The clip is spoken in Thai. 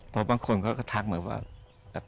พวกบางคนก็ทักเหมือนว่า